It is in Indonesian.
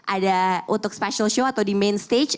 ada untuk special show atau di main stage